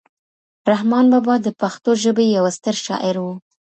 رحمان بابا د پښتو ژبې یو ستر شاعر و.